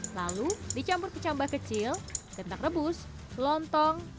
lalu dicampur ke cambah kecil tentak rebus lontong